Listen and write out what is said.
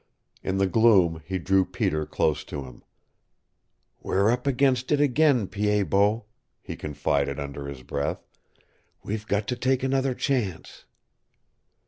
In the gloom he drew Peter close to him. "We're up against it again, Pied Bot," he confided under his breath. "We've got to take another chance."